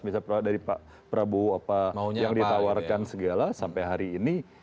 misalnya dari pak prabowo apa yang ditawarkan segala sampai hari ini